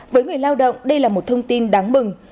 với người lao động đây là một thông tin đáng mừng